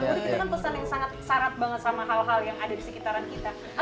itu kan pesan yang sangat syarat banget sama hal hal yang ada di sekitaran kita